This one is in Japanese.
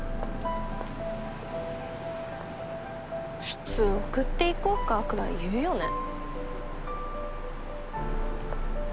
普通送って行こうかくらい言うよね。